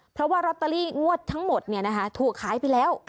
เพราะว่าลอตเตอรี่งวดทั้งหมดถูกขายไปแล้ว